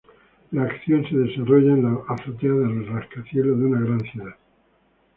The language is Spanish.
La acción se desarrolla en la azotea del rascacielos de una gran ciudad.